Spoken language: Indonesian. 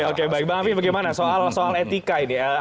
oke baik mbak wifi bagaimana soal etika ini